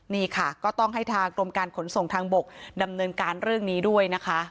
นี่ค่ะก็ต้องให้ทางกรมการขนส่งทางบกดำเนินการเรื่องนี้ด้วยนะคะ